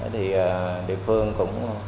thì địa phương cũng